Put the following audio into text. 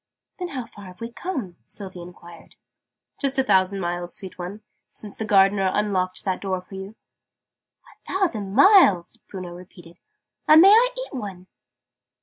"Then how far have we come?" Sylvie enquired. "Just a thousand miles, sweet one, since the Gardener unlocked that door for you." "A thousand miles!" Bruno repeated. "And may I eat one?"